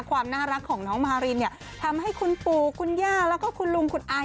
ความน่ารักของน้องมารินเนี่ยทำให้คุณปู่คุณย่าแล้วก็คุณลุงคุณอาย